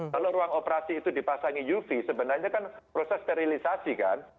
kalau ruang operasi itu dipasangi uv sebenarnya kan proses sterilisasi kan